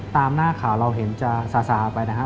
หน้าข่าวเราเห็นจะซาซาไปนะฮะ